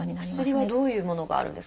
薬はどういうものがあるんですか？